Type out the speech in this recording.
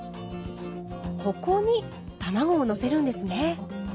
ここに卵をのせるんですね。